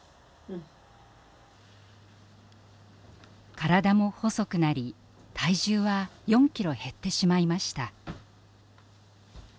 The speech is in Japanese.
体も細くなり体重は４キロ減ってしまいました。